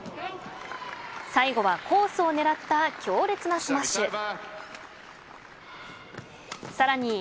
最後はコースを狙った強烈なスマッシュ。